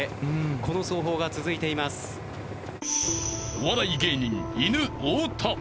［お笑い芸人いぬ太田］